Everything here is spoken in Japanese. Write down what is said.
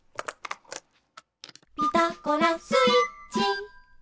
「ピタゴラスイッチ」